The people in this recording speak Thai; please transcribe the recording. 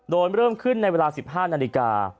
โดยเริ่มขึ้นในเวลา๑๕นาฬิกา